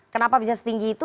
kenapa bisa setinggi itu